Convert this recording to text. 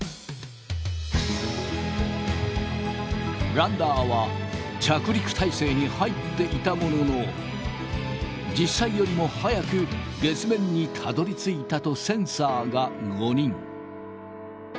ランダーは着陸態勢に入っていたものの実際よりも早く月面にたどりついたとセンサーが誤認。